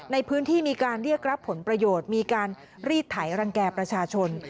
ในพื้นที่มีการเรียกรับผลประโยชน์มีการรีดไถรังแก่ประชาชน